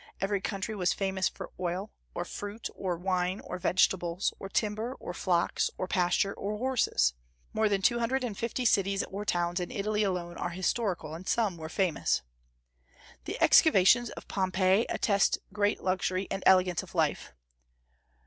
Every country was famous for oil, or fruit, or wine, or vegetables, or timber, or flocks, or pastures, or horses. More than two hundred and fifty cities or towns in Italy alone are historical, and some were famous. The excavations of Pompeii attest great luxury and elegance of life.